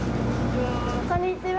こんにちは。